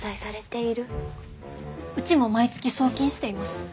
うちも毎月送金しています。